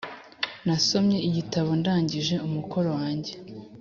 nasomye igitabo ndangije umukoro wanjye.